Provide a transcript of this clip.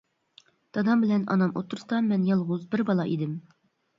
دادام بىلەن ئانام ئوتتۇرىسىدا مەن يالغۇز بىر بالا ئىدىم.